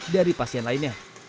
dari pasien lainnya